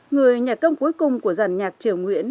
người nhà công cuối cùng của giàn nhạc triều nguyễn